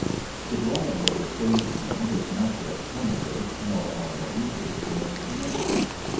The dwelling of the sage hermit is much less primitive, nor are believers permitted to enter it.